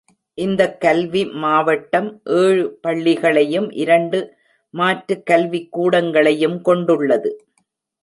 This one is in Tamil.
இந்தக் கல்வி மாவட்டம், ஏழு பள்ளிகளையும் இரண்டு மாற்று கல்விக்கூடங்களையும் கொண்டுள்ளது.